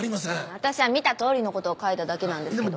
私は見たとおりのことを書いただけなんですけど。